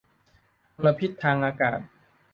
มลพิษทางอากาศ